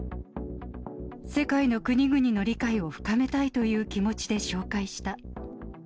世界の国々の理解を深めたいという気持ちで紹介した。